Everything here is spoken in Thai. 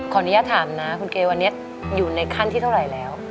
อนุญาตถามนะคุณเกวันนี้อยู่ในขั้นที่เท่าไหร่แล้ว